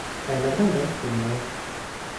А иногда ем в пивной.